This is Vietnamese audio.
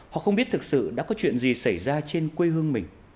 họ không biết thực sự đã có chuyện gì xảy ra trên quê hương mình